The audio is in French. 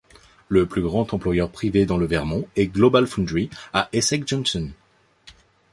Le plus grand employeur privé dans le Vermont est GlobalFoundries à Essex Junction.